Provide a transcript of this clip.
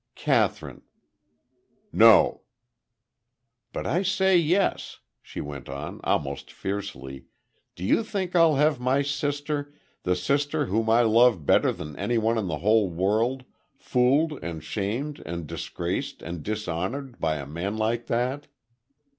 "Kathryn." "No!" "But I say yes!" She went on, almost fiercely: "Do you think I'll have my sister the sister whom I love better than anyone in the whole world fooled and shamed and disgraced and dishonored by a man like that?"